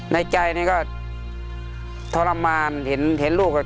ในใจนี่ก็ทรมานเห็นลูก